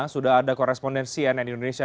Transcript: sudah ada korespondensi nn indonesia